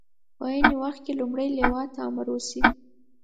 په عین وخت کې لومړۍ لواء ته امر وشي.